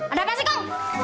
ada apa sih kong